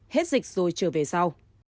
hết dịch rồi trở về sau